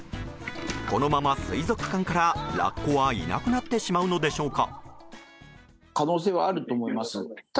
このまま水族館からラッコはいなくなってしまうのでしょうか。